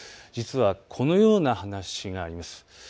実はこのような話があります。